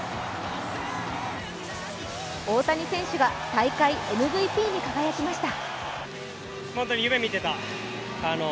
大谷選手が大会ＭＶＰに輝きました。